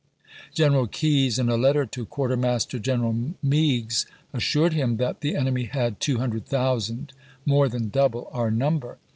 Greneral Keyes, in a letter to "^I'^o?'' Quartermaster General Meigs, assured him that the enemy had two hundred thousand, more than n)ici.,p.338. double our number.